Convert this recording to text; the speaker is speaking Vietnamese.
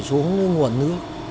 xuống nguồn nước